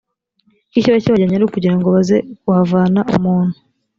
ko ikiba kibajyanye ari ukugira ngo baze kuhavana umuntu